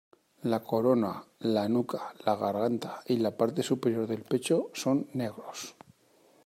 La corona, la nuca, la garganta y la parte superior del pecho son negros.